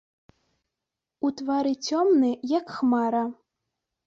У твары цёмны, як хмара.